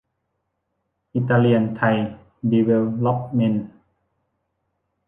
อิตาเลียนไทย ดีเวล๊อปเมนต์